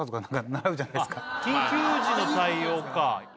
緊急時の対応か。